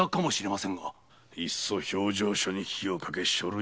いっそ評定所に火をかけ書類